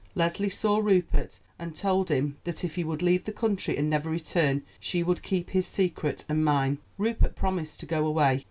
Leslie saw Rupert and told him that if he would leave the country, and never return, she would keep his secret and mine. Rupert promised to go away.